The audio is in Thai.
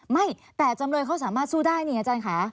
ไม่แต่จำเลยเขาสามารถสู้ได้นี่อาจารย์ค่ะ